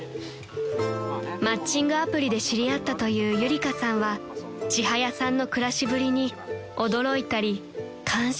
［マッチングアプリで知り合ったというゆりかさんはちはやさんの暮らしぶりに驚いたり感心したり］